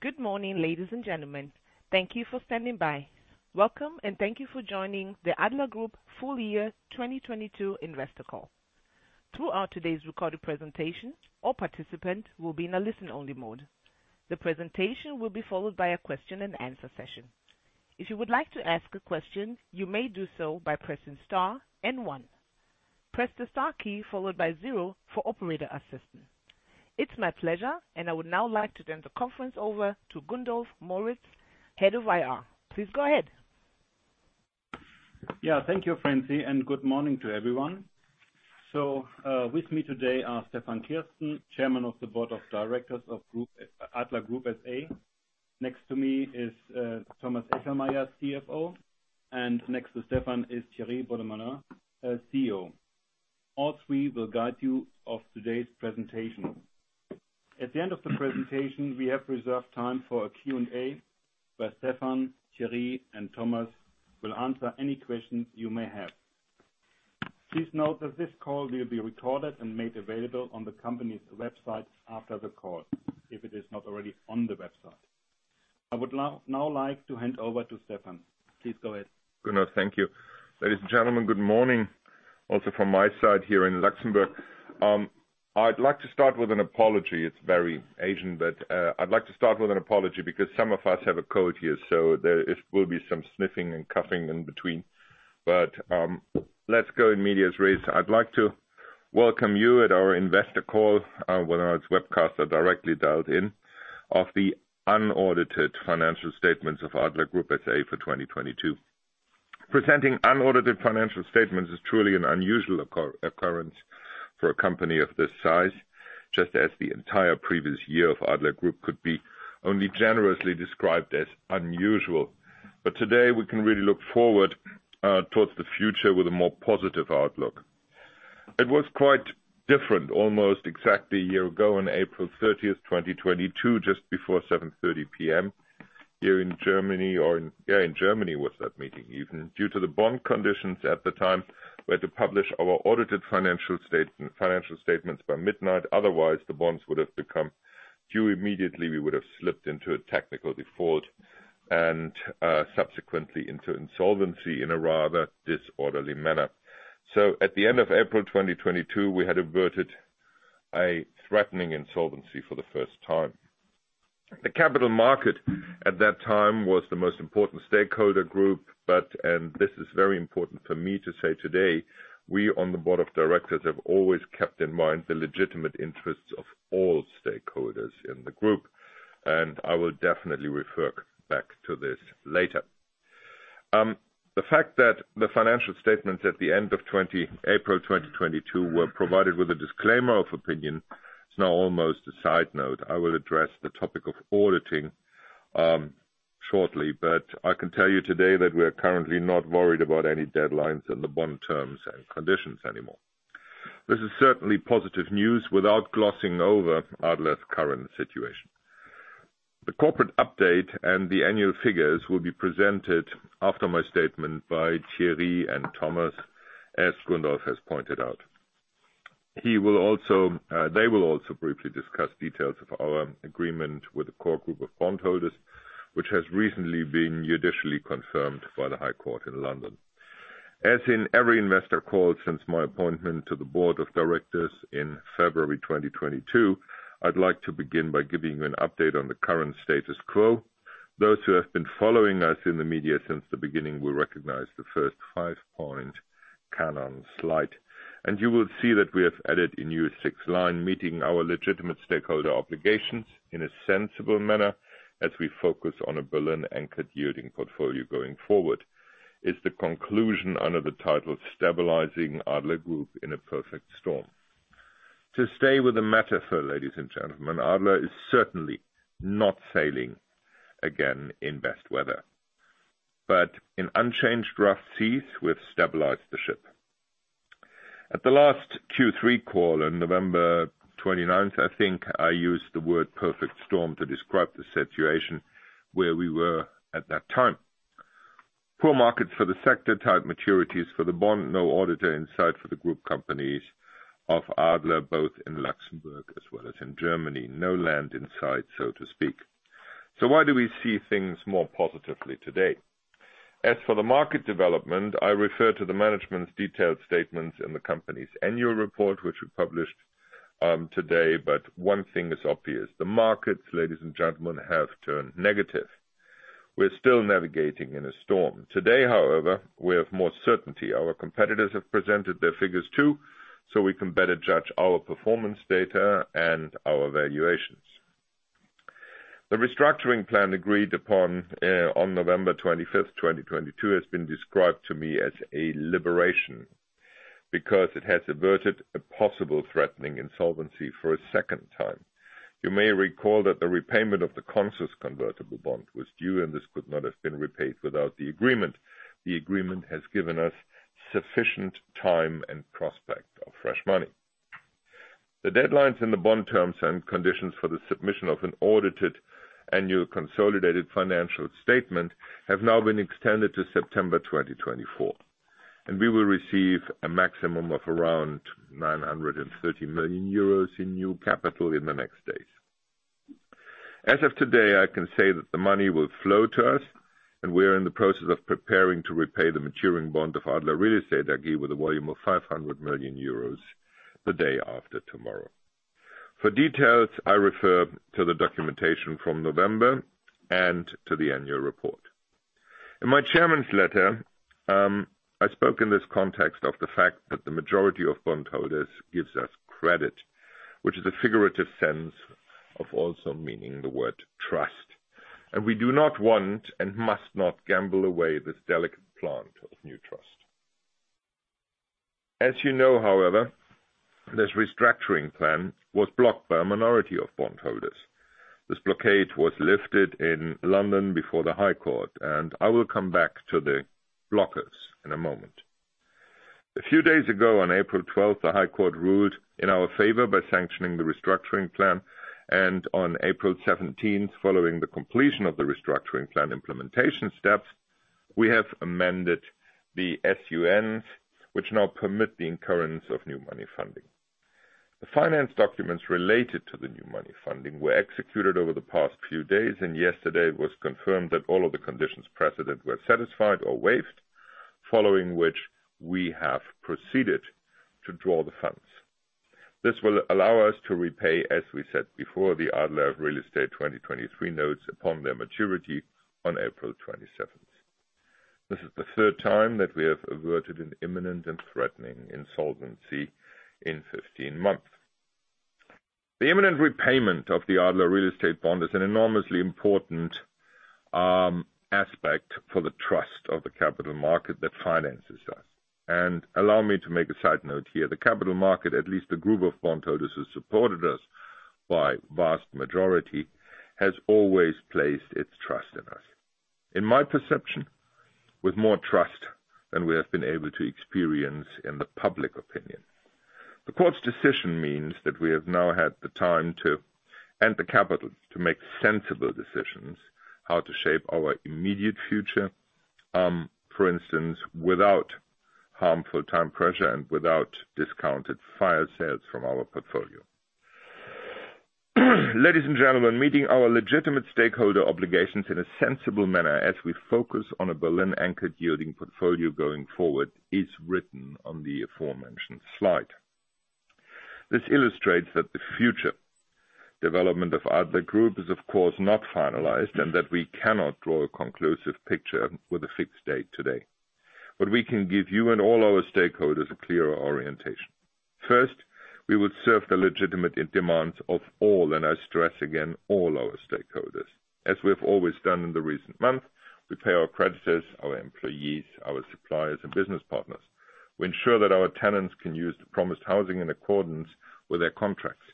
Good morning, ladies and gentlemen. Thank you for standing by. Welcome, and thank you for joining the Adler Group Full Year 2022 Investor Call. Throughout today's recorded presentation, all participants will be in a listen-only mode. The presentation will be followed by a question and answer session. If you would like to ask a question, you may do so by pressing star and one. Press the star key followed by zero for operator assistance. It's my pleasure, and I would now like to turn the conference over to Gundolf Moritz, Head of IR. Please go ahead. Thank you, Francine, and good morning to everyone. With me today are Stefan Kirsten, Chairman of the Board of Directors, Adler Group S.A. Next to me is Thomas Echelmeyer, CFO, and next to Stefan is Thierry Beaudemoulin, CEO. All three will guide you of today's presentation. At the end of the presentation, we have reserved time for a Q&A, where Stefan, Thierry, and Thomas will answer any questions you may have. Please note that this call will be recorded and made available on the company's website after the call, if it is not already on the website. I would now like to hand over to Stefan. Please go ahead. Gundolf, thank you. Ladies and gentlemen, good morning also from my side here in Luxembourg. I'd like to start with an apology. It's very Asian, I'd like to start with an apology because some of us have a cold here, so there will be some sniffing and coughing in between. Let's go in medias res. I'd like to welcome you at our investor call, whether it's webcast or directly dialed in, of the unaudited financial statements of Adler Group S.A. for 2022. Presenting unaudited financial statements is truly an unusual occurrence for a company of this size, just as the entire previous year of Adler Group could be only generously described as unusual. Today, we can really look forward towards the future with a more positive outlook. It was quite different almost exactly a year ago on April 30th, 2022, just before 7:30 P.M. here in Germany or in Germany was that meeting even. Due to the bond conditions at the time, we had to publish our audited financial statements by midnight. Otherwise, the bonds would have become due immediately. We would have slipped into a technical default and subsequently into insolvency in a rather disorderly manner. At the end of April 2022, we had averted a threatening insolvency for the first time. The capital market at that time was the most important stakeholder group, but, and this is very important for me to say today, we on the Board of Directors have always kept in mind the legitimate interests of all stakeholders in the group, and I will definitely refer back to this later. The fact that the financial statements at the end of April 2022 were provided with a disclaimer of opinion is now almost a side note. I will address the topic of auditing shortly, but I can tell you today that we are currently not worried about any deadlines in the bond terms and conditions anymore. This is certainly positive news without glossing over Adler's current situation. The corporate update and the annual figures will be presented after my statement by Thierry and Thomas, as Gundolf has pointed out. They will also briefly discuss details of our agreement with a core group of bondholders, which has recently been judicially confirmed by the High Court in London. As in every investor call since my appointment to the Board of Directors in February 2022, I'd like to begin by giving you an update on the current status quo. Those who have been following us in the media since the beginning will recognize the first five-point canon slide. You will see that we have added a new sixth line, meeting our legitimate stakeholder obligations in a sensible manner as we focus on a Berlin-anchored yielding portfolio going forward, is the conclusion under the title Stabilizing Adler Group in a Perfect Storm. To stay with the metaphor, ladies and gentlemen, Adler is certainly not sailing again in best weather, but in unchanged rough seas, we've stabilized the ship. At the last Q3 call on November 29th, I think I used the word perfect storm to describe the situation where we were at that time. Poor markets for the sector-tied maturities for the bond, no auditor in sight for the group companies of Adler, both in Luxembourg as well as in Germany. No land in sight, so to speak. Why do we see things more positively today? As for the market development, I refer to the management's detailed statements in the company's annual report, which we published today. One thing is obvious: the markets, ladies and gentlemen, have turned negative. We're still navigating in a storm. Today, however, we have more certainty. Our competitors have presented their figures too, so we can better judge our performance data and our valuations. The restructuring plan agreed upon on November 25th, 2022, has been described to me as a liberation because it has averted a possible threatening insolvency for a second time. You may recall that the repayment of the Consus convertible bond was due, and this could not have been repaid without the agreement. The agreement has given us sufficient time and prospect of fresh money. The deadlines in the bond terms and conditions for the submission of an audited annual consolidated financial statement have now been extended to September 2024. We will receive a maximum of around 930 million euros in new capital in the next days. As of today, I can say that the money will flow to us, and we are in the process of preparing to repay the maturing bond of Adler Real Estate AG with a volume of 500 million euros the day after tomorrow. For details, I refer to the documentation from November and to the annual report. In my Chairman's letter, I spoke in this context of the fact that the majority of bondholders gives us credit, which is a figurative sense of also meaning the word trust. We do not want and must not gamble away this delicate plant of new trust. As you know, however, this restructuring plan was blocked by a minority of bondholders. This blockade was lifted in London before the High Court, and I will come back to the blockers in a moment. A few days ago, on April 12th, the High Court ruled in our favor by sanctioning the restructuring plan, and on April 17th, following the completion of the restructuring plan implementation steps, we have amended the SUNs which now permit the incurrence of new money funding. The finance documents related to the new money funding were executed over the past few days. Yesterday it was confirmed that all of the conditions precedent were satisfied or waived, following which we have proceeded to draw the funds. This will allow us to repay, as we said before, the Adler Real Estate 2023 notes upon their maturity on April 27th. This is the third time that we have averted an imminent and threatening insolvency in 15 months. The imminent repayment of the Adler Real Estate bond is an enormously important aspect for the trust of the capital market that finances us. Allow me to make a side note here. The capital market, at least the group of bondholders who supported us by vast majority, has always placed its trust in us. In my perception, with more trust than we have been able to experience in the public opinion. The court's decision means that we have now had the time to, and the capital, to make sensible decisions how to shape our immediate future, for instance, without harmful time pressure and without discounted fire sales from our portfolio. Ladies and gentlemen, meeting our legitimate stakeholder obligations in a sensible manner as we focus on a Berlin-anchored yielding portfolio going forward is written on the aforementioned slide. This illustrates that the future development of Adler Group is, of course, not finalized and that we cannot draw a conclusive picture with a fixed date today. We can give you and all our stakeholders a clearer orientation. First, we will serve the legitimate demands of all, and I stress again, all our stakeholders. We have always done in the recent months, we pay our creditors, our employees, our suppliers, and business partners. We ensure that our tenants can use the promised housing in accordance with their contracts.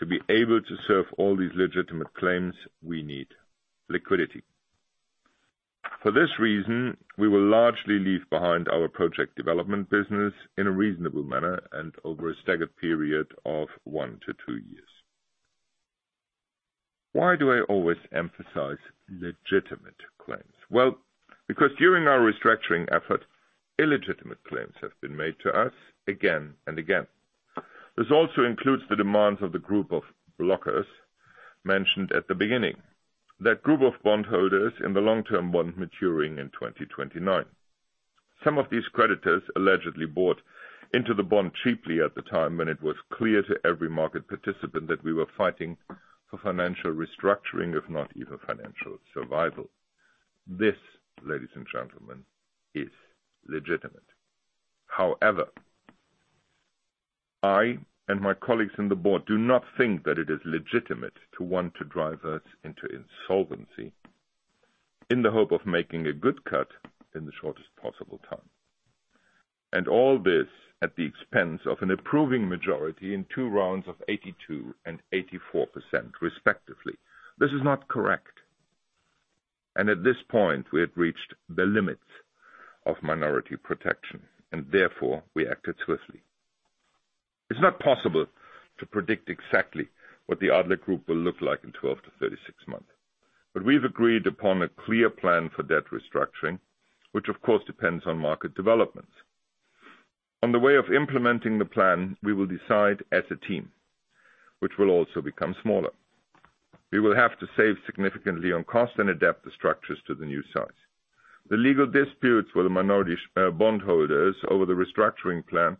To be able to serve all these legitimate claims, we need liquidity. For this reason, we will largely leave behind our project development business in a reasonable manner and over a staggered period of one to two years. Why do I always emphasize legitimate claims? Well, because during our restructuring efforts, illegitimate claims have been made to us again and again. This also includes the demands of the group of blockers mentioned at the beginning. Group of bondholders in the long term want maturing in 2029. Some of these creditors allegedly bought into the bond cheaply at the time when it was clear to every market participant that we were fighting for financial restructuring, if not even financial survival. This, ladies and gentlemen, is legitimate. However, I and my colleagues on the board do not think that it is legitimate to want to drive us into insolvency in the hope of making a good cut in the shortest possible time. All this at the expense of an approving majority in two rounds of 82% and 84% respectively. This is not correct. At this point, we have reached the limits of minority protection, and therefore we acted swiftly. It's not possible to predict exactly what the Adler Group will look like in 12-36 months. We've agreed upon a clear plan for debt restructuring, which of course depends on market developments. On the way of implementing the plan, we will decide as a team, which will also become smaller. We will have to save significantly on cost and adapt the structures to the new size. The legal disputes with the minority bondholders over the restructuring plan,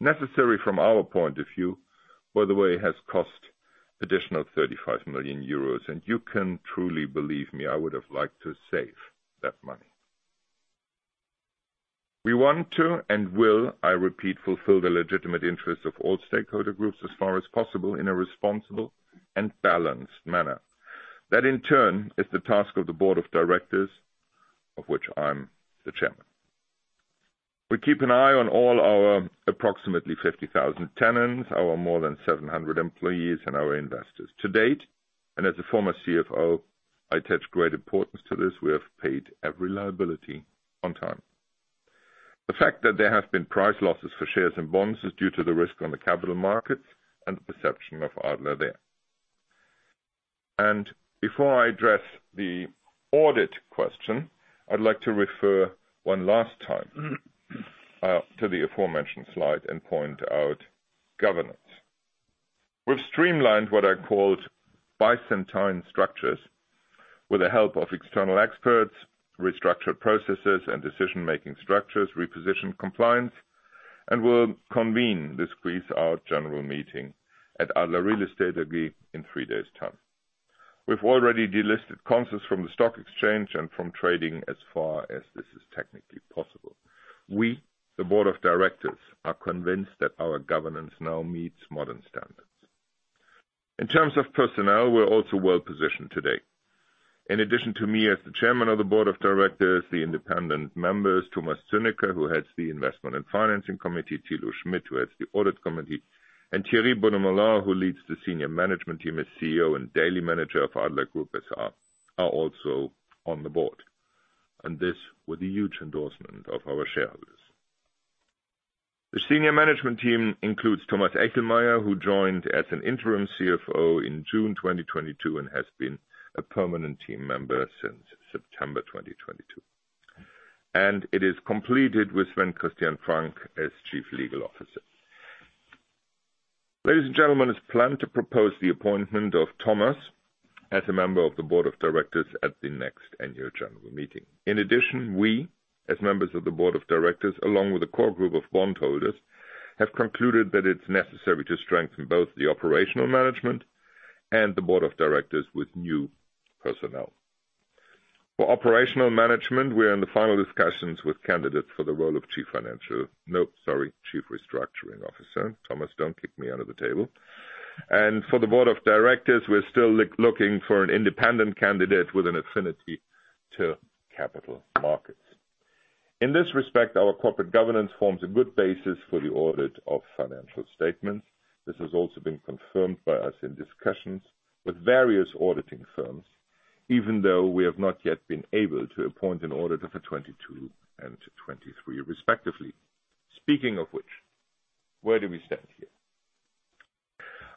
necessary from our point of view, by the way, has cost additional 35 million euros. You can truly believe me, I would have liked to save that money. We want to and will, I repeat, fulfill the legitimate interests of all stakeholder groups as far as possible in a responsible and balanced manner. That, in turn, is the task of the Board of Directors, of which I'm the Chairman. We keep an eye on all our approximately 50,000 tenants, our more than 700 employees, and our investors. To date, as a former CFO, I attach great importance to this, we have paid every liability on time. The fact that there have been price losses for shares and bonds is due to the risk on the capital markets and the perception of Adler there. Before I address the audit question, I'd like to refer one last time to the aforementioned slide and point out governance. We've streamlined what I called Byzantine structures with the help of external experts, restructured processes, and decision-making structures, repositioned compliance, and will convene this squeeze-out general meeting at Adler Real Estate AG in three days time. We've already delisted Consus from the stock exchange and from trading as far as this is technically possible. We, the Board of Directors, are convinced that our governance now meets modern standards. In terms of personnel, we're also well-positioned today. In addition to me as the Chairman of the Board of Directors, the independent members, Thomas Zinnöcker, who heads the Investment and Financing Committee, Thilo Schmid, who heads the Audit Committee, and Thierry Beaudemoulin, who leads the Senior Management team as CEO and daily manager of Adler Group S.A., are also on the board, and this with a huge endorsement of our shareholders. The senior management team includes Thomas Echelmeyer, who joined as an Interim CFO in June 2022 and has been a permanent team member since September 2022. It is completed with Sven-Christian Frank as Chief Legal Officer. Ladies and gentlemen, it's planned to propose the appointment of Thomas as a member of the Board of Directors at the next Annual General Meeting. In addition, we, as members of the Board of Directors, along with a core group of bondholders, have concluded that it's necessary to strengthen both the operational management and the Board of Directors with new personnel. For operational management, we are in the final discussions with candidates for the role of Chief Restructuring Officer. Thomas, don't kick me under the table. For the Board of Directors, we're still looking for an independent candidate with an affinity to capital markets. In this respect, our corporate governance forms a good basis for the audit of financial statements. This has also been confirmed by us in discussions with various auditing firms, even though we have not yet been able to appoint an auditor for 2022 and 2023 respectively. Speaking of which, where do we stand here?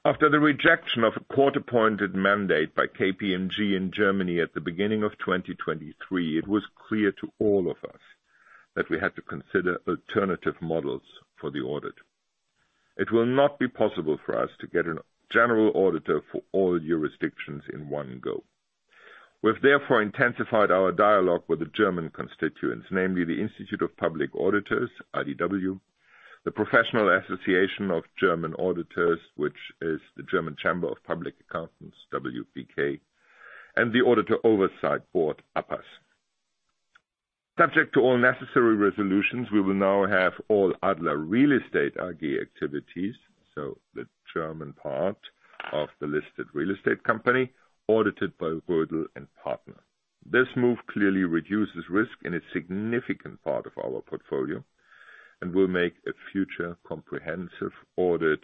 After the rejection of a court-appointed mandate by KPMG in Germany at the beginning of 2023, it was clear to all of us that we had to consider alternative models for the audit. It will not be possible for us to get a general auditor for all jurisdictions in one go. We've therefore intensified our dialogue with the German constituents, namely the Institute of Public Auditors, IDW, the Professional Association of German Auditors, which is the German Chamber of Public Accountants, WPK, and the Auditor Oversight Body, APAS. Subject to all necessary resolutions, we will now have all Adler Real Estate AG activities, so the German part of the listed real estate company, audited by Rödl & Partner. This move clearly reduces risk in a significant part of our portfolio and will make a future comprehensive audit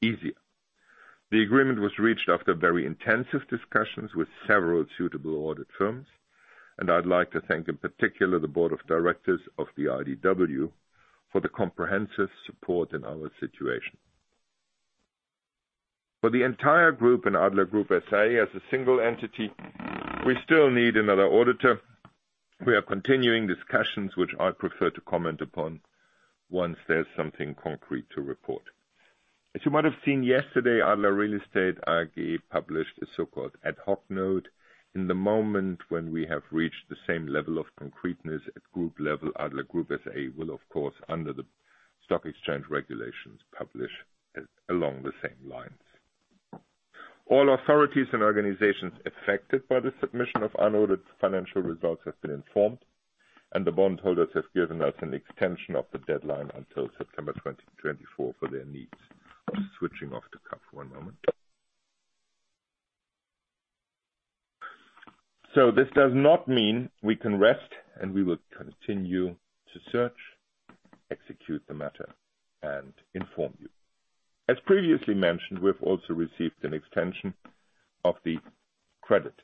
easier. The agreement was reached after very intensive discussions with several suitable audit firms, I'd like to thank in particular the Board of Directors of the IDW for the comprehensive support in our situation. For the entire group in Adler Group S.A. as a single entity, we still need another auditor. We are continuing discussions which I prefer to comment upon once there's something concrete to report. As you might have seen yesterday, Adler Real Estate AG published a so-called ad hoc note. In the moment when we have reached the same level of concreteness at group level, Adler Group S.A. will, of course, under the stock exchange regulations, publish it along the same lines. All authorities and organizations affected by the submission of unaudited financial results have been informed, and the bondholders have given us an extension of the deadline until September 2024 for their needs. I'm switching off the cuff for one moment. This does not mean we can rest, and we will continue to search, execute the matter, and inform you. As previously mentioned, we have also received an extension of the credit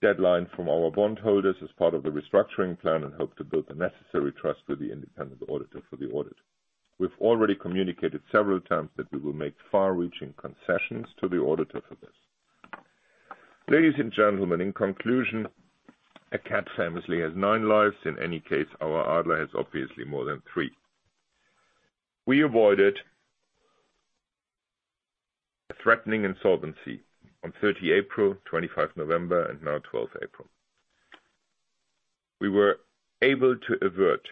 deadline from our bondholders as part of the restructuring plan and hope to build the necessary trust with the independent auditor for the audit. We've already communicated several times that we will make far-reaching concessions to the auditor for this. Ladies and gentlemen, in conclusion, a cat famously has nine lives. In any case, our Adler has obviously more than three. We avoided threatening insolvency on 30 April, 25 November, and now 12 April. We were able to avert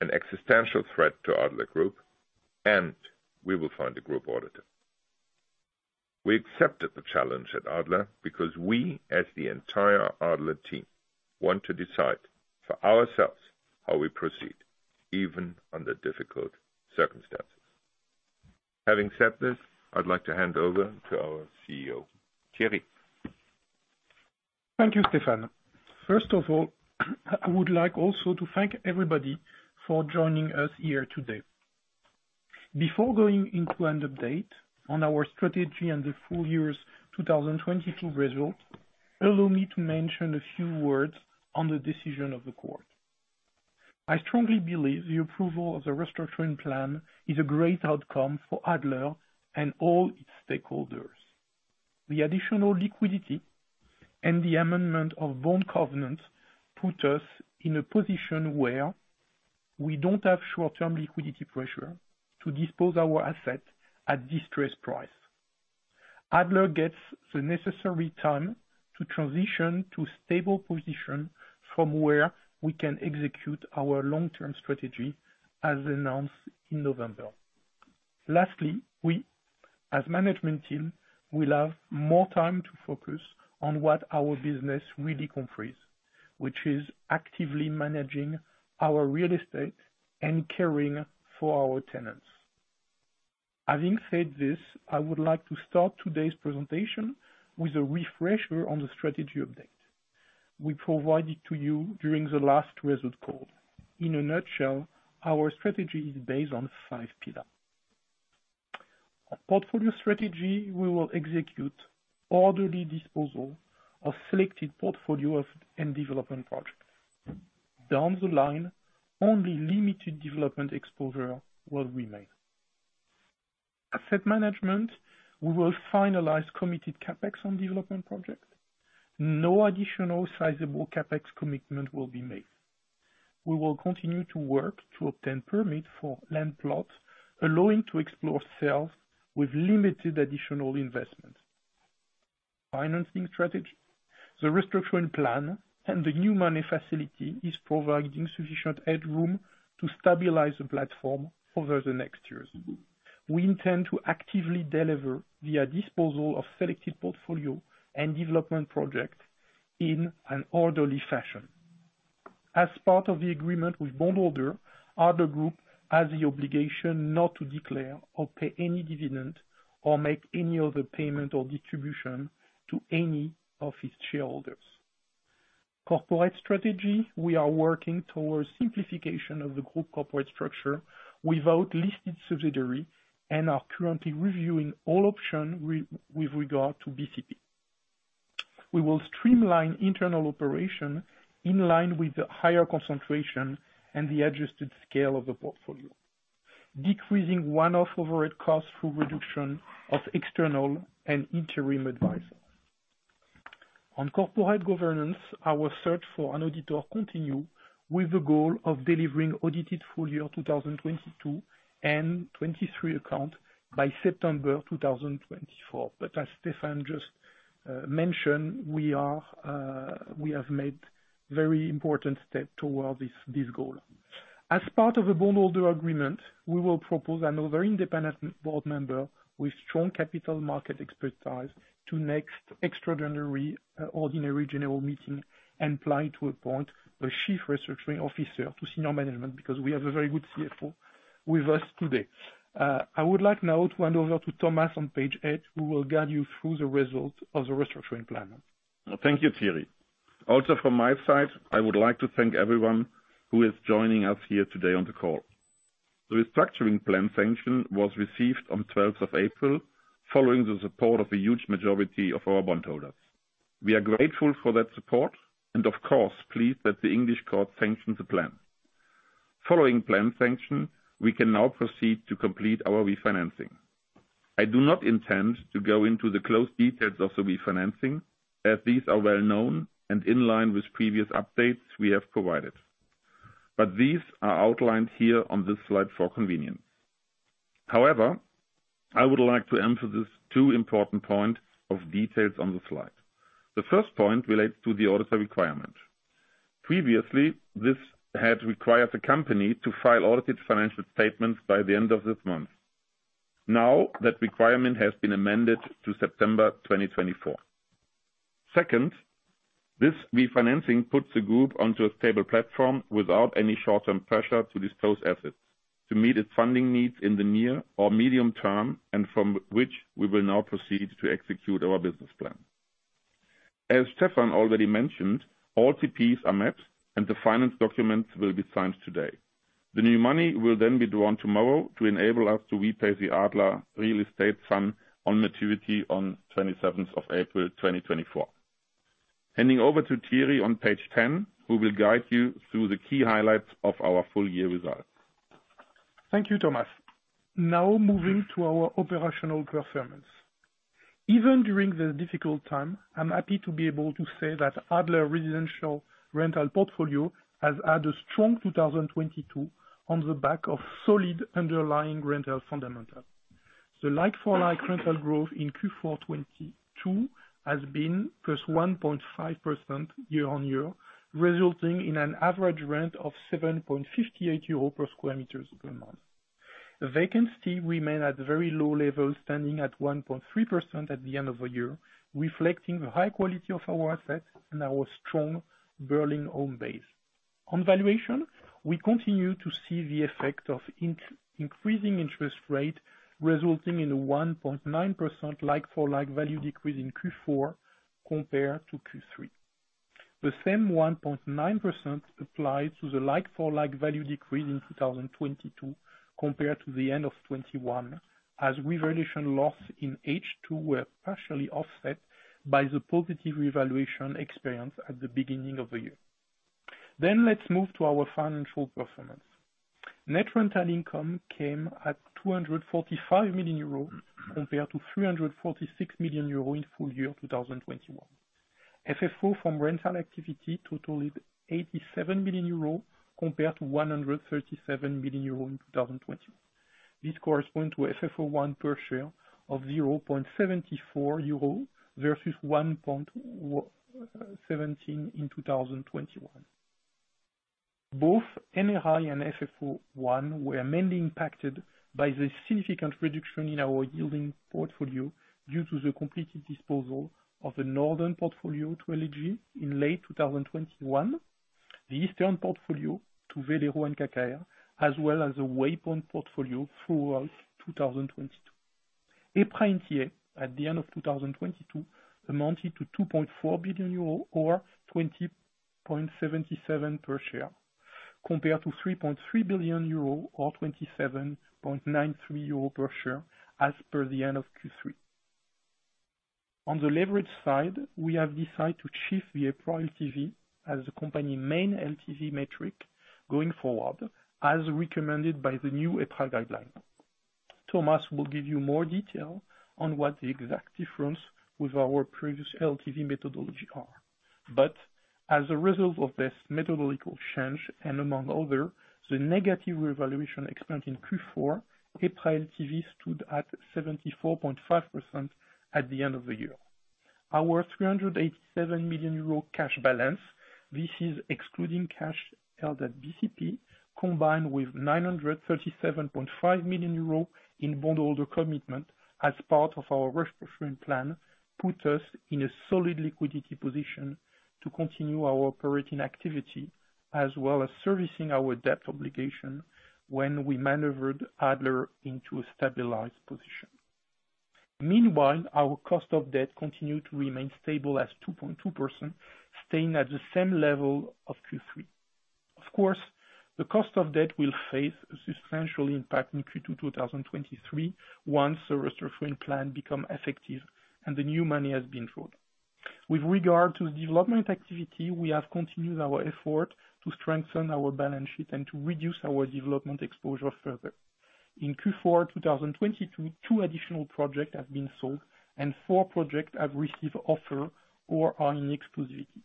an existential threat to Adler Group, and we will find a group auditor. We accepted the challenge at Adler because we, as the entire Adler team, want to decide for ourselves how we proceed, even under difficult circumstances. Having said this, I'd like to hand over to our CEO, Thierry. Thank you, Stefan. I would like also to thank everybody for joining us here today. Before going into an update on our strategy and the full years 2022 results, allow me to mention a few words on the decision of the court. I strongly believe the approval of the restructuring plan is a great outcome for Adler and all its stakeholders. The additional liquidity and the amendment of bond covenants put us in a position where we don't have short-term liquidity pressure to dispose our assets at distressed price. Adler gets the necessary time to transition to stable position from where we can execute our long-term strategy as announced in November. We, as management team, will have more time to focus on what our business really comprise, which is actively managing our real estate and caring for our tenants. Having said this, I would like to start today's presentation with a refresher on the strategy update we provided to you during the last result call. In a nutshell, our strategy is based on five pillar. Our portfolio strategy, we will execute orderly disposal of selected portfolio of and development projects. Down the line, only limited development exposure will remain. Asset management, we will finalize committed CapEx on development projects. No additional sizable CapEx commitment will be made. We will continue to work to obtain permit for land plots, allowing to explore sales with limited additional investments. Financing strategy. The restructuring plan and the new money facility is providing sufficient headroom to stabilize the platform over the next years. We intend to actively deliver via disposal of selected portfolio and development projects in an orderly fashion. As part of the agreement with bondholder, Adler Group has the obligation not to declare or pay any dividend or make any other payment or distribution to any of its shareholders. Corporate strategy, we are working towards simplification of the group corporate structure without listed subsidiary and are currently reviewing all options with regard to BCP. We will streamline internal operation in line with the higher concentration and the adjusted scale of the portfolio, decreasing one-off overhead costs through reduction of external and interim advisory. On corporate governance, our search for an auditor continue with the goal of delivering audited full year 2022 and 2023 accounts by September 2024. As Stefan just mentioned, we have made very important step toward this goal. As part of the bondholder agreement, we will propose another independent board member with strong capital market expertise to next extraordinary General Meeting and plan to appoint a Chief Restructuring Officer to senior management, because we have a very good CFO with us today. I would like now to hand over to Thomas on page eight, who will guide you through the results of the restructuring plan. Thank you, Thierry. From my side, I would like to thank everyone who is joining us here today on the call. The restructuring plan sanction was received on twelfth of April, following the support of a huge majority of our bondholders. We are grateful for that support and of course, pleased that the English court sanctioned the plan. Following plan sanction, we can now proceed to complete our refinancing. I do not intend to go into the close details of the refinancing, as these are well known and in line with previous updates we have provided. These are outlined here on this slide for convenience. However, I would like to emphasize two important point of details on the slide. The first point relates to the auditor requirement. Previously, this had required the company to file audited financial statements by the end of this month. That requirement has been amended to September 2024. Second, this refinancing puts the Group onto a stable platform without any short-term pressure to dispose assets to meet its funding needs in the near or medium term, from which we will now proceed to execute our business plan. As Stefan already mentioned, all TPs are mapped, the finance documents will be signed today. The new money will be drawn tomorrow to enable us to repay the Adler Real Estate fund on maturity on 27th of April, 2024. Handing over to Thierry on page 10, who will guide you through the key highlights of our full year results. Thank you, Thomas. Moving to our operational performance. Even during this difficult time, I'm happy to be able to say that Adler residential rental portfolio has had a strong 2022 on the back of solid underlying rental fundamentals. Like-for-like rental growth in Q4 2022 has been +1.5% year-over-year, resulting in an average rent of 7.58 euros per sq m per month. Vacancy remain at very low levels, standing at 1.3% at the end of the year, reflecting the high quality of our assets and our strong Berlin home base. On valuation, we continue to see the effect of increasing interest rate, resulting in a 1.9% like-for-like value decrease in Q4 compared to Q3. The same 1.9% applies to the like-for-like value decrease in 2022 compared to the end of 2021, as revaluation loss in H2 were partially offset by the positive revaluation experience at the beginning of the year. Let's move to our financial performance. Net rental income came at 245 million euros compared to 346 million euros in full year 2021. FFO from rental activity totaled 87 million euros compared to 137 million euros in 2021. This correspond to FFO 1 per share of 0.74 euro versus 1.17 in 2021. Both NRI and FFO 1 were mainly impacted by the significant reduction in our yielding portfolio due to the completed disposal of the Northern portfolio to LEG in late 2021, the Eastern portfolio to Velero and KKR, as well as the Waypoint portfolio throughout 2022. EPRA NTA at the end of 2022 amounted to 2.4 billion euro or 20.77 per share, compared to 3.3 billion euro or 27.93 euro per share as per the end of Q3. On the leverage side, we have decided to shift the EPRA LTV as the company main LTV metric going forward, as recommended by the new EPRA guideline. Thomas will give you more detail on what the exact difference with our previous LTV methodology are. As a result of this methodological change, and among other, the negative revaluation experienced in Q4, EPRA LTV stood at 74.5% at the end of the year. Our 387 million euro cash balance, this is excluding cash held at BCP, combined with 937.5 million euro in bondholder commitment as part of our restructuring plan, put us in a solid liquidity position to continue our operating activity as well as servicing our debt obligation when we maneuvered Adler into a stabilized position. Meanwhile, our cost of debt continued to remain stable as 2.2%, staying at the same level of Q3. Of course, the cost of debt will face a substantial impact in Q2 2023 once the restructuring plan become effective and the new money has been drawn. With regard to development activity, we have continued our effort to strengthen our balance sheet and to reduce our development exposure further. In Q4 2022, two additional projects have been sold and 4 projects have received offer or are in exclusivity.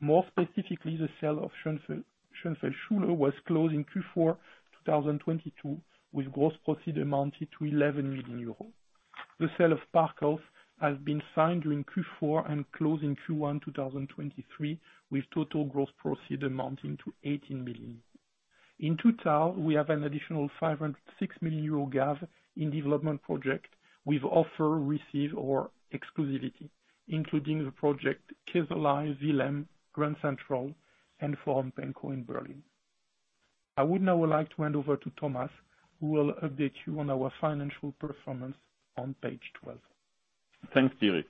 More specifically, the sale of Schönefeld Schule was closed in Q4 2022, with gross proceed amounted to 11 million euros. The sale of Parkhaus has been signed during Q4 and closed in Q1 2023, with total gross proceed amounting to 18 million. In total, we have an additional 506 million euro GAV in development project with offer, receive or exclusivity, including the project Kaiserlei, Wilhelm, Grand Central and Forum Pankow in Berlin. I would now like to hand over to Thomas, who will update you on our financial performance on page 12. Thanks, Thierry.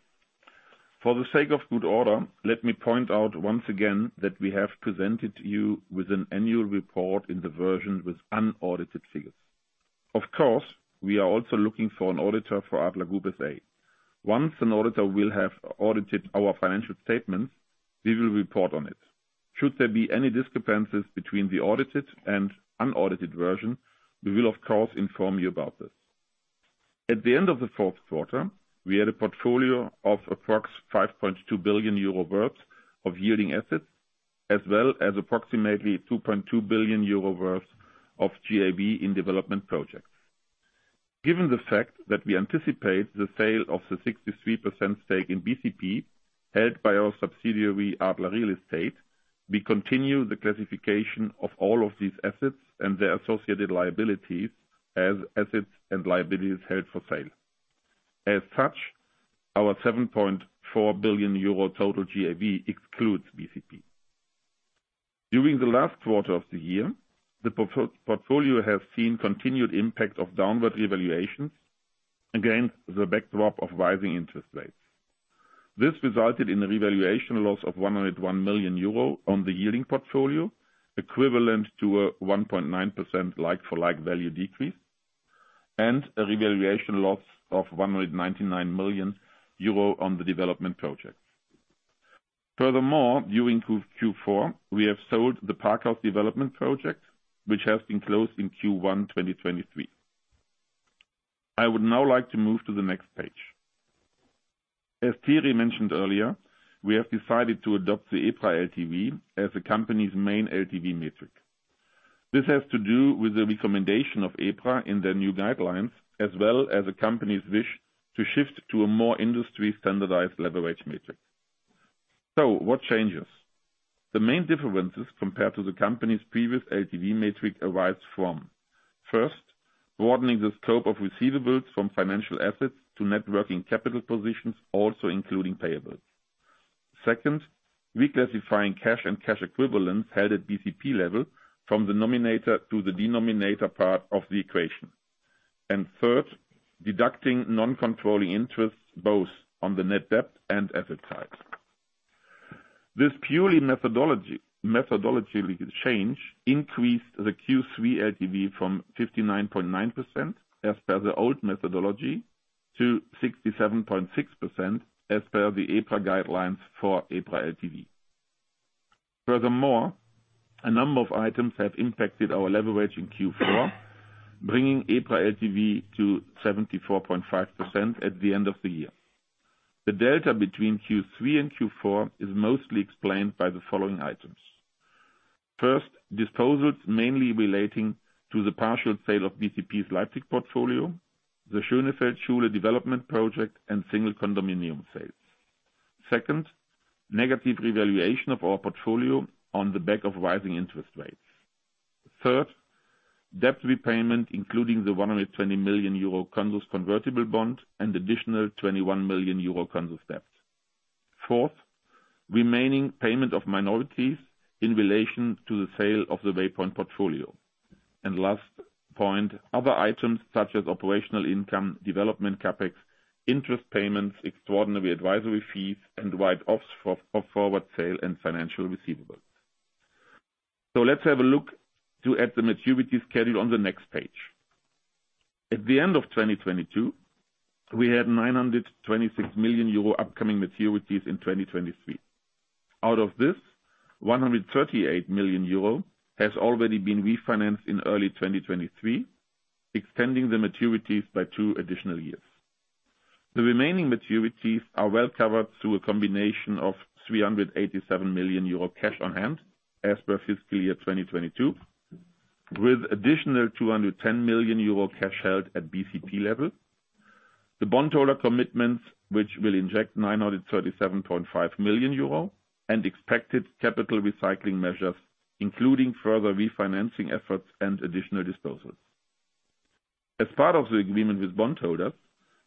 For the sake of good order, let me point out once again that we have presented you with an annual report in the version with unaudited figures. Of course, we are also looking for an auditor for Adler Group S.A. Once an auditor will have audited our financial statements, we will report on it. Should there be any discrepancies between the audited and unaudited version, we will of course, inform you about this. At the end of the fourth quarter, we had a portfolio of approx 5.2 billion euro worth of yielding assets, as well as approximately 2.2 billion euro worth of GAV in development projects. Given the fact that we anticipate the sale of the 63% stake in BCP, held by our subsidiary, Adler Real Estate, we continue the classification of all of these assets and their associated liabilities as assets and liabilities held for sale. As such, our 7.4 billion euro total GAV excludes BCP. During the last quarter of the year, the portfolio has seen continued impact of downward revaluations against the backdrop of rising interest rates. This resulted in a revaluation loss of 101 million euro on the yielding portfolio, equivalent to a 1.9% like for like value decrease, and a revaluation loss of 199 million euro on the development project. Furthermore, during Q4, we have sold the Parkhaus development project, which has been closed in Q1 2023. I would now like to move to the next page. As Thierry mentioned earlier, we have decided to adopt the EPRA LTV as the company's main LTV metric. This has to do with the recommendation of EPRA in their new guidelines, as well as the company's wish to shift to a more industry-standardized leverage metric. What changes? The main differences compared to the company's previous LTV metric arise from, first, broadening the scope of receivables from financial assets to net working capital positions, also including payables. Second, reclassifying cash and cash equivalents held at BCP level from the nominator to the denominator part of the equation. Third, deducting non-controlling interests both on the net debt and asset side. This purely methodology change increased the Q3 LTV from 59.9% as per the old methodology to 67.6% as per the EPRA guidelines for EPRA LTV. Furthermore, a number of items have impacted our leverage in Q4, bringing EPRA LTV to 74.5% at the end of the year. The delta between Q3 and Q4 is mostly explained by the following items. First, disposals mainly relating to the partial sale of BCP's Leipzig portfolio, the Schönefeld Schule development project, and single condominium sales. Second, negative revaluation of our portfolio on the back of rising interest rates. Third, debt repayment, including the 120 million euro Consus convertible bond and additional 21 million euro Consus debt. Fourth, remaining payment of minorities in relation to the sale of the Waypoint portfolio. Last point, other items such as operational income, development CapEx, interest payments, extraordinary advisory fees, and write-offs of forward sale and financial receivables. Let's have a look at the maturity schedule on the next page. At the end of 2022, we had 926 million euro upcoming maturities in 2023. Out of this, 138 million euro has already been refinanced in early 2023, extending the maturities by two additional years. The remaining maturities are well covered through a combination of 387 million euro cash on hand as per fiscal year 2022, with additional 210 million euro cash held at BCP level. The bondholder commitments, which will inject 937.5 million euro and expected capital recycling measures, including further refinancing efforts and additional disposals. As part of the agreement with bondholders,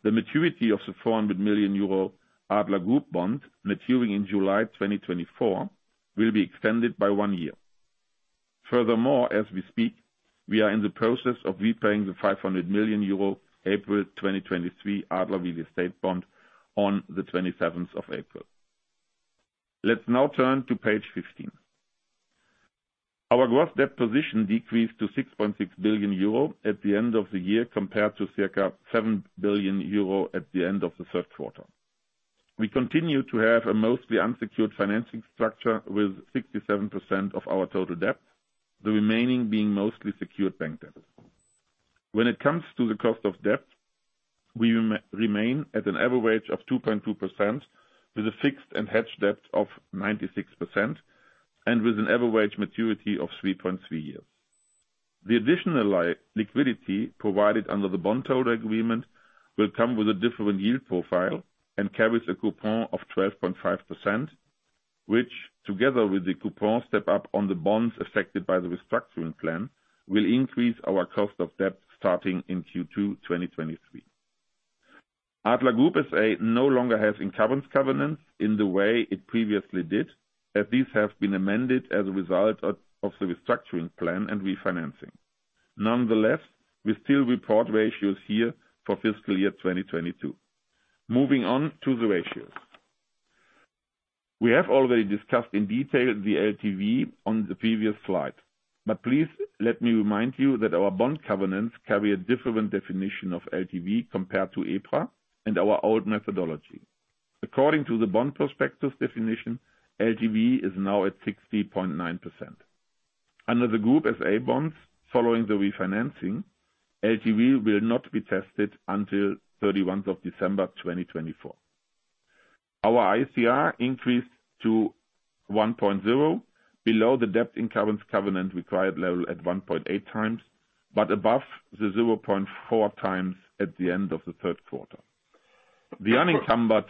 the maturity of the 400 million euro Adler Group bond maturing in July 2024, will be extended by one year. As we speak, we are in the process of repaying the 500 million euro April 2023 Adler Real Estate bond on the 27th of April. Let's now turn to page 15. Our gross debt position decreased to 6.6 billion euro at the end of the year, compared to circa 7 billion euro at the end of the third quarter. We continue to have a mostly unsecured financing structure with 67% of our total debt, the remaining being mostly secured bank debt. When it comes to the cost of debt, we remain at an average of 2.2% with a fixed and hedged debt of 96% and with an average maturity of 3.3 years. The additional liquidity provided under the bondholder agreement will come with a different yield profile and carries a coupon of 12.5%, which together with the coupon step up on the bonds affected by the restructuring plan, will increase our cost of debt starting in Q2 2023. Adler Group S.A. no longer has incurrence covenants in the way it previously did, as these have been amended as a result of the restructuring plan and refinancing. Nonetheless, we still report ratios here for fiscal year 2022. Moving on to the ratios. We have already discussed in detail the LTV on the previous slide, but please let me remind you that our bond covenants carry a different definition of LTV compared to EPRA and our old methodology. According to the bond prospectus definition, LTV is now at 60.9%. Under the Group SA bonds following the refinancing, LTV will not be tested until 31st of December, 2024. Our ICR increased to 1.0 below the debt incurrence covenant required level at 1.8x, but above the 0.4x at the end of the third quarter. The unencumbered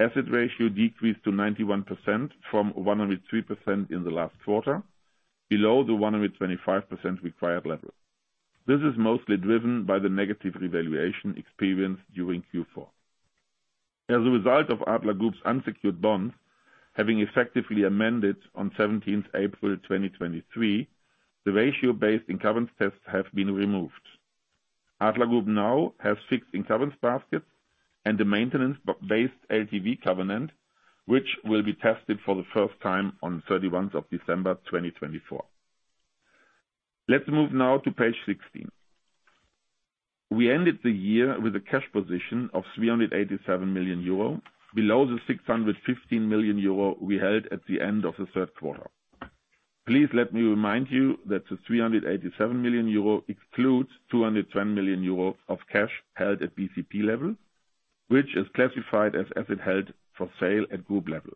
asset ratio decreased to 91% from 103% in the last quarter, below the 125% required level. This is mostly driven by the negative revaluation experienced during Q4. As a result of Adler Group's unsecured bonds having effectively amended on 17th April, 2023, the ratio-based incurrence tests have been removed. Adler Group now has fixed incurrence baskets and a maintenance based LTV covenant, which will be tested for the first time on 31 of December, 2024. Let's move now to page 16. We ended the year with a cash position of 387 million euro below the 615 million euro we held at the end of the third quarter. Please let me remind you that the 387 million euro excludes 210 million euro of cash held at BCP level, which is classified as asset held for sale at group level.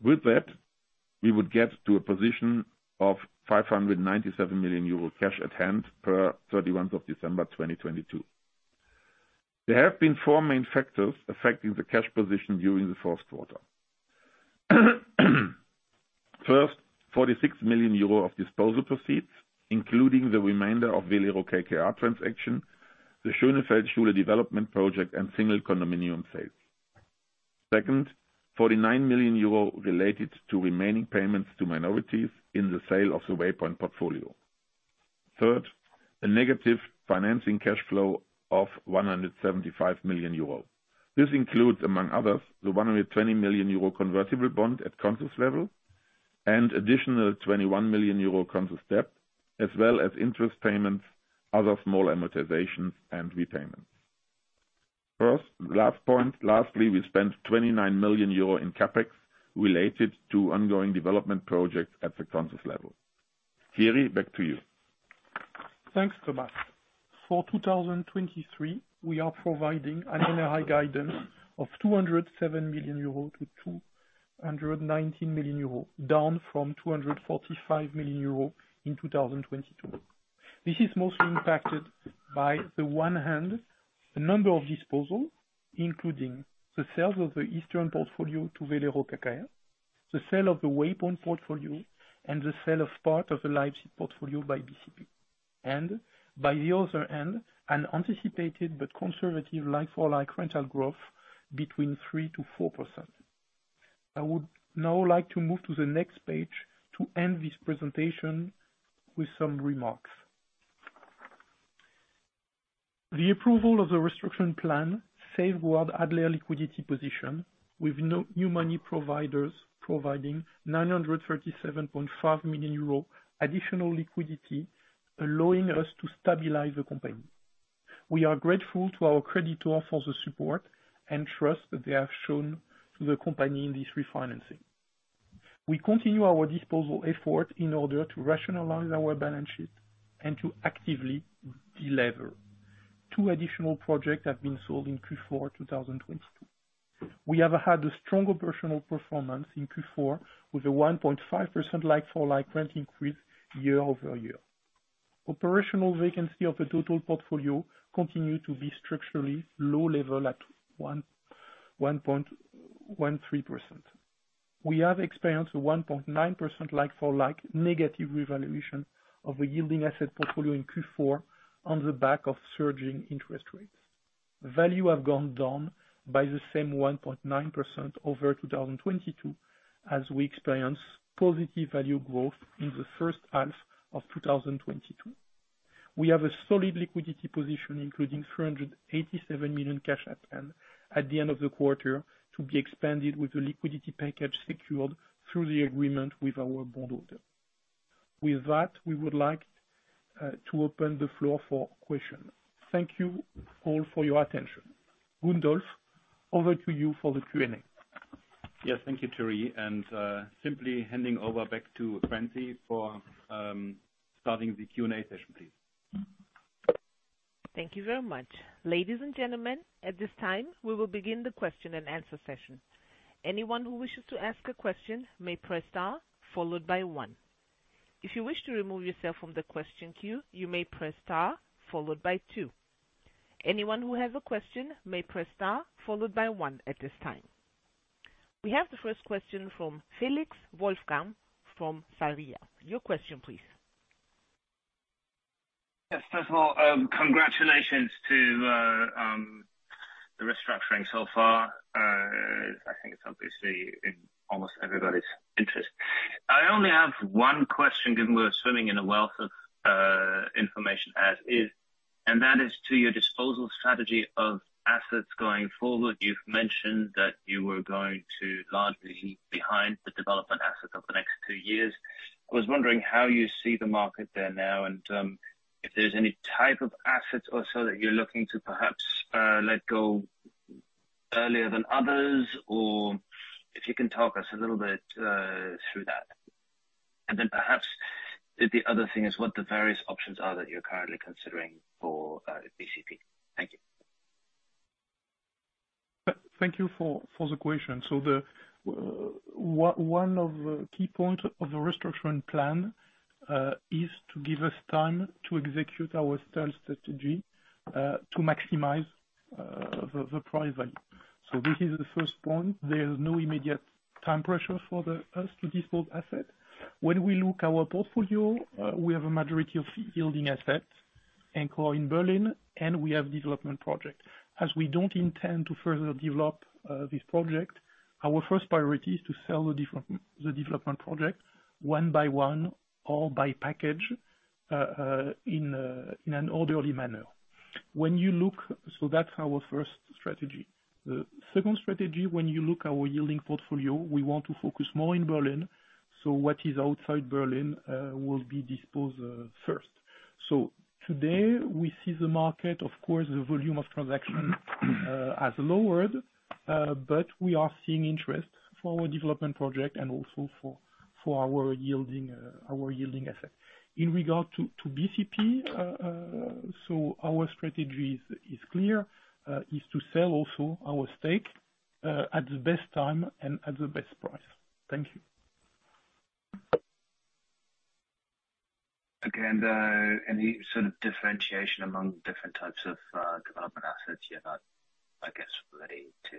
With that, we would get to a position of 597 million euro cash at hand per December 31, 2022. There have been four main factors affecting the cash position during the first quarter. First, 46 million euro of disposal proceeds, including the remainder of Velero/KKR transaction, the Schönefeld Schule development project, and single condominium sales. Second, 49 million euro related to remaining payments to minorities in the sale of the Waypoint portfolio. Third, a negative financing cash flow of 175 million euro. This includes, among others, the 120 million euro convertible bond at Consus level. Additional 21 million euro Consus debt, as well as interest payments, other small amortizations and repayments. Lastly, we spent 29 million euro in CapEx related to ongoing development projects at the Consus level. Thierry, back to you. Thanks, Thomas. For 2023, we are providing an NII guidance of 207 million-219 million euros, down from 245 million euros in 2022. This is mostly impacted by the one hand, the number of disposals, including the sales of the Eastern portfolio to Velero/KKR, the sale of the Waypoint portfolio, and the sale of part of the Leipzig portfolio by BCP. And by the other hand, an anticipated but conservative like-for-like rental growth between 3%-4%. I would now like to move to the next page to end this presentation with some remarks. The approval of the restructuring plan safeguard Adler liquidity position with no new money providers providing 937.5 million euros additional liquidity, allowing us to stabilize the company. We are grateful to our creditor for the support and trust that they have shown to the company in this refinancing. We continue our disposal effort in order to rationalize our balance sheet and to actively delever. Two additional projects have been sold in Q4 2022. We have had a stronger personal performance in Q4 with a 1.5% like-for-like rent increase year-over-year. Operational vacancy of the total portfolio continue to be structurally low level at 1.13%. We have experienced a 1.9% like-for-like negative revaluation of the yielding asset portfolio in Q4 on the back of surging interest rates. Value have gone down by the same 1.9% over 2022 as we experience positive value growth in the first half of 2022. We have a solid liquidity position including 387 million cash at hand at the end of the quarter to be expanded with the liquidity package secured through the agreement with our bondholder. We would like to open the floor for question. Thank you all for your attention. Gundolf, over to you for the Q&A. Yes, thank you, Thierry. Simply handing over back to Francine for starting the Q&A session, please. Thank you very much. Ladies and gentlemen, at this time, we will begin the question and answer session. Anyone who wishes to ask a question may press star followed by one. If you wish to remove yourself from the question queue, you may press star followed by two. Anyone who has a question may press star followed by one at this time. We have the first question from Wolfgang Felix from Sarria. Your question please. Yes. First of all, congratulations to the restructuring so far. I think it's obviously in almost everybody's interest. I only have one question, given we're swimming in a wealth of information as is, and that is to your disposal strategy of assets going forward. You've mentioned that you were going to largely leave behind the development assets over the next two years. I was wondering how you see the market there now and if there's any type of assets also that you're looking to perhaps let go earlier than others, or if you can talk us a little bit through that. Perhaps the other thing is what the various options are that you're currently considering for BCP. Thank you. Thank you for the question. The one of the key points of the restructuring plan is to give us time to execute our sales strategy to maximize the price value. This is the first point. There is no immediate time pressure for us to dispose asset. When we look our portfolio, we have a majority of yielding assets anchored in Berlin, and we have development projects. As we don't intend to further develop this project, our first priority is to sell the development projects one by one or by package in an orderly manner. That's our first strategy. The second strategy, when you look our yielding portfolio, we want to focus more in Berlin. What is outside Berlin will be disposed of first. Today, we see the market, of course, the volume of transaction has lowered, but we are seeing interest for our development project and also for our yielding asset. In regard to BCP, our strategy is clear, is to sell also our stake at the best time and at the best price. Thank you. Okay. Any sort of differentiation among different types of development assets you're not, I guess, ready to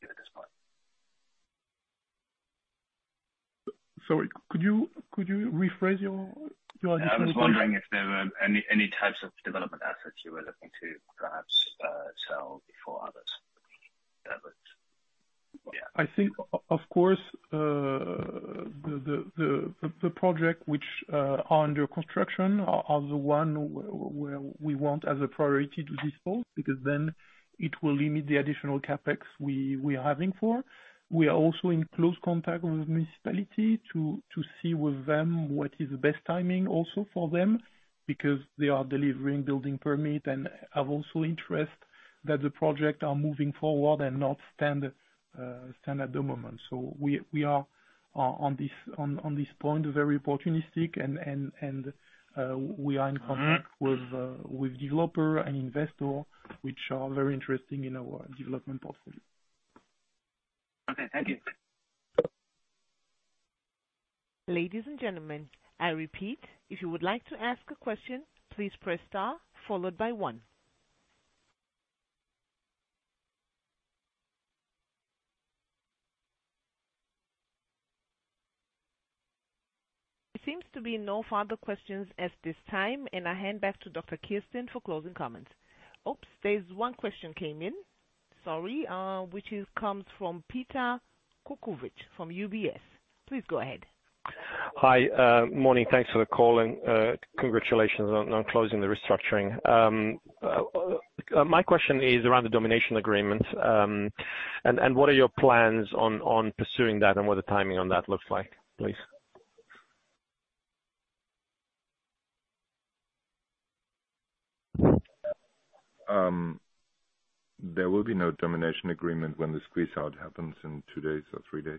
give at this point? Sorry, could you rephrase your last question? I was wondering if there were any types of development assets you were looking to perhaps sell before others? I think of course, the project which are under construction are the one where we want as a priority to dispose, because then it will limit the additional CapEx we are having for. We are also in close contact with municipality to see with them what is the best timing also for them, because they are delivering building permit and have also interest that the project are moving forward and not stand at the moment. We are on this point, very opportunistic and we are in contact with developer and investor which are very interesting in our development portfolio. Okay, thank you. Ladies and gentlemen, I repeat. If you would like to ask a question, please press star followed by one. There seems to be no further questions at this time, and I hand back to Dr. Kirsten for closing comments. Oops, there's one question came in. Sorry. Which comes from Peter Cuckovic from UBS. Please go ahead. Hi, morning. Thanks for the call and congratulations on closing the restructuring. My question is around the domination agreement, and what are your plans on pursuing that and what the timing on that looks like, please? There will be no domination agreement when the squeeze-out happens in two days or three days.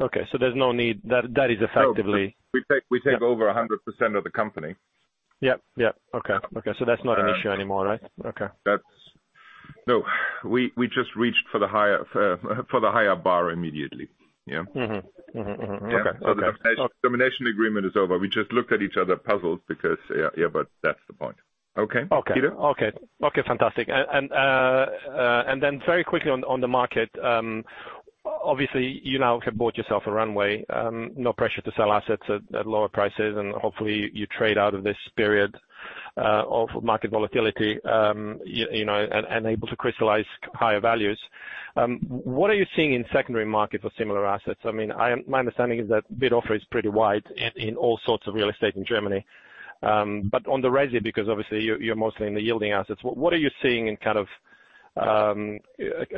Okay. There's no need. That is effectively. We take over 100% of the company. Yep. Okay. That's not an issue anymore, right? Okay. No, we just reached for the higher, for the higher bar immediately. Yeah. Mm-hmm. Mm-hmm. Okay. The domination agreement is over. We just looked at each other puzzled because, yeah, but that's the point. Okay, Peter? Okay. Okay. Okay, fantastic. Very quickly on the market, obviously you now have bought yourself a runway, no pressure to sell assets at lower prices, and hopefully you trade out of this period of market volatility, you know, and able to crystallize higher values. What are you seeing in secondary market for similar assets? I mean, My understanding is that bid offer is pretty wide in all sorts of real estate in Germany. On the resi, because obviously you're mostly in the yielding assets, what are you seeing in kind of a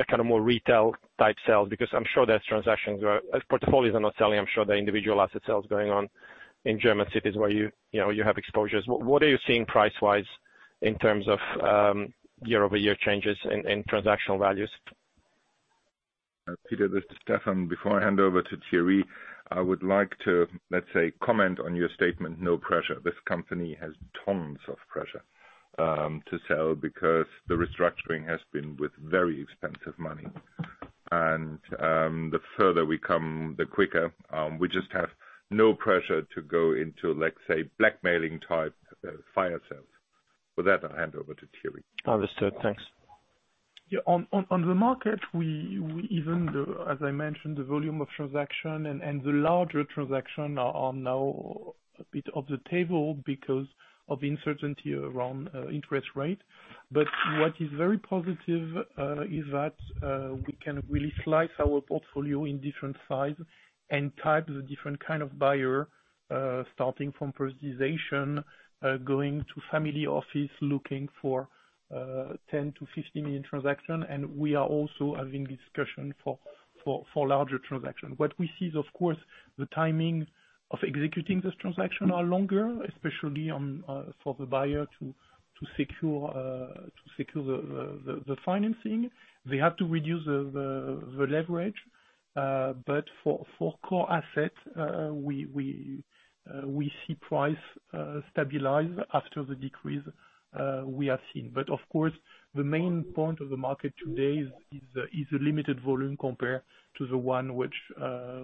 kind of more retail type sales? I'm sure there's transactions. As portfolios are not selling, I'm sure there are individual asset sales going on in German cities where you know, you have exposures. What are you seeing price-wise in terms of year-over-year changes in transactional values? Peter, this is Stefan. Before I hand over to Thierry, I would like to, let's say, comment on your statement, no pressure. This company has tons of pressure to sell because the restructuring has been with very expensive money. The further we come, the quicker. We just have no pressure to go into, let's say, blackmailing type, fire sales. With that, I'll hand over to Thierry. Understood. Thanks. Yeah. On the market, as I mentioned, the volume of transaction and the larger transaction are now a bit off the table because of uncertainty around interest rate. What is very positive is that we can really slice our portfolio in different size and type the different kind of buyer, starting from privatization, going to family office looking for 10 million-15 million transaction. We are also having discussion for larger transaction. What we see is, of course, the timing of executing this transaction are longer, especially for the buyer to secure the financing. They have to reduce the leverage. For core assets, we see price stabilize after the decrease we have seen. Of course, the main point of the market today is limited volume compared to the one which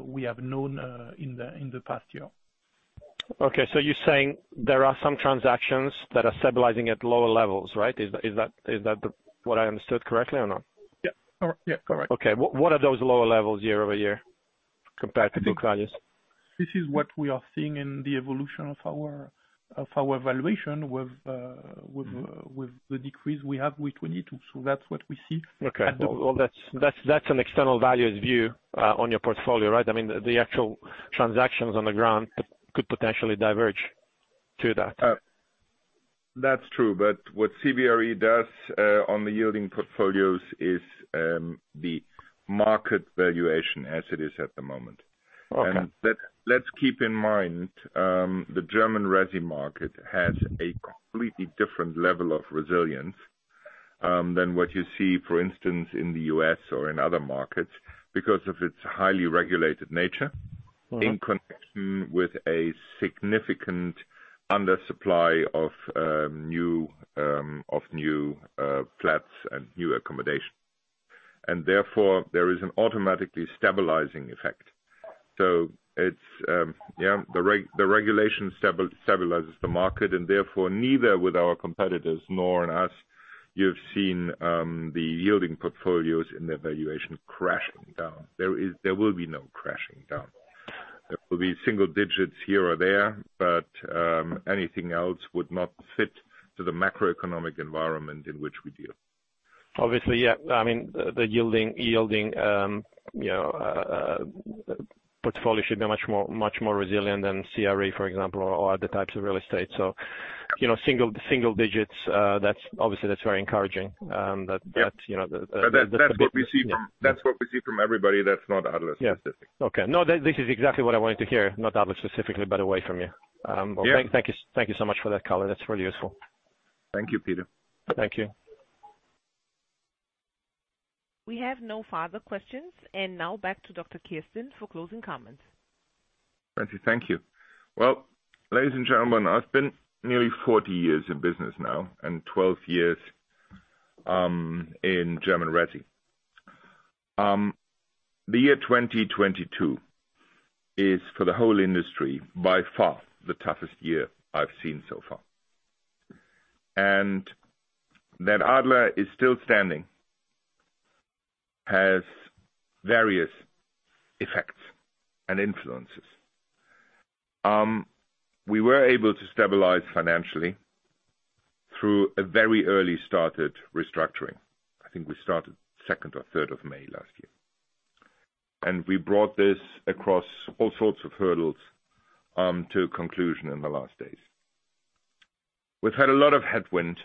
we have known in the past year. You're saying there are some transactions that are stabilizing at lower levels, right? Is that what I understood correctly or not? Yeah. Correct. Okay. What are those lower levels year-over-year compared to book values? This is what we are seeing in the evolution of our valuation with the decrease we have with 2022. That's what we see. Okay. Well, that's an external values view on your portfolio, right? I mean, the actual transactions on the ground could potentially diverge to that. That's true, but what CBRE does, on the yielding portfolios is, the market valuation as it is at the moment. Okay. Let's keep in mind, the German resi market has a completely different level of resilience, than what you see, for instance, in the U.S. or in other markets because of its highly regulated nature. Mm-hmm. ...in connection with a significant under supply of new flats and new accommodation. Therefore, there is an automatically stabilizing effect. It's, yeah, the regulation stabilizes the market. Therefore, neither with our competitors nor in us, you've seen the yielding portfolios in their valuation crashing down. There will be no crashing down. It will be single digits here or there, but anything else would not fit to the macroeconomic environment in which we deal. Obviously, yeah. I mean, the yielding portfolio should be much more resilient than CRE, for example, or other types of real estate. You know, single digits, that's obviously, that's very encouraging. Yeah. That, that, you know, the, the- that's what we see from- Yeah. That's what we see from everybody. That's not Adler-specific. Yeah. Okay. No, this is exactly what I wanted to hear. Not Adler specifically, but away from you. Yeah. Thank you, thank you so much for that color. That's really useful. Thank you, Peter. Thank you. We have no further questions. Now back to Dr. Kirsten for closing comments. Francine, thank you. Well, ladies and gentlemen, I've been nearly 40 years in business now and 12 years in German resi. The year 2022 is for the whole industry by far the toughest year I've seen so far. That Adler is still standing, has various effects and influences. We were able to stabilize financially through a very early started restructuring. I think we started 2nd or 3rd of May last year. We brought this across all sorts of hurdles to conclusion in the last days. We've had a lot of headwind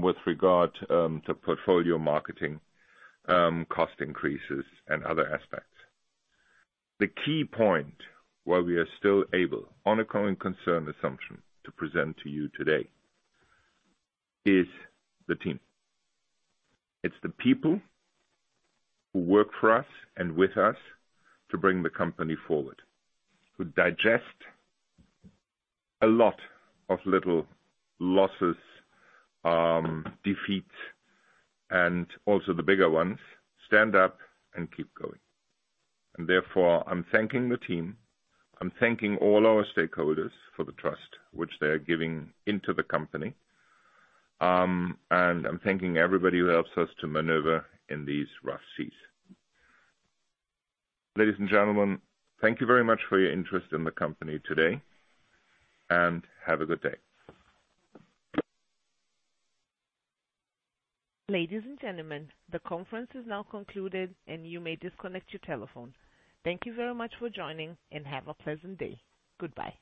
with regard to portfolio marketing, cost increases and other aspects. The key point why we are still able, on a going concern assumption, to present to you today is the team. It's the people who work for us and with us to bring the company forward, who digest a lot of little losses, defeats, and also the bigger ones, stand up and keep going. Therefore, I'm thanking the team. I'm thanking all our stakeholders for the trust which they are giving into the company. I'm thanking everybody who helps us to maneuver in these rough seas. Ladies and gentlemen, thank you very much for your interest in the company today, and have a good day. Ladies and gentlemen, the conference is now concluded and you may disconnect your telephone. Thank you very much for joining and have a pleasant day. Goodbye.